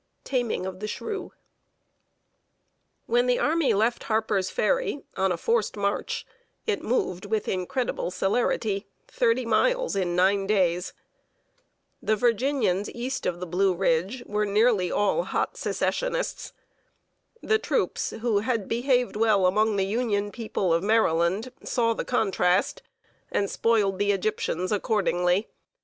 TAMING OF THE SHREW. [Sidenote: ON THE MARCH SOUTHWARD.] When the army left Harper's Ferry, on a forced march, it moved, with incredible celerity, thirty miles in nine days! The Virginians east of the Blue Ridge were nearly all hot Secessionists. The troops, who had behaved well among the Union people of Maryland, saw the contrast, and spoiled the Egyptians accordingly.